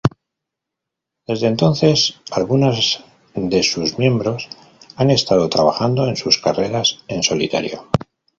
Desde entonces algunas de sus miembros han estado trabajando en sus carreras en solitario.